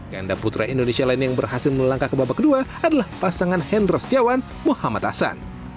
ganda putra indonesia lain yang berhasil melangkah ke babak kedua adalah pasangan hendra setiawan muhammad hasan